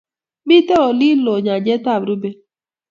mito olin loo nyanjeta Roben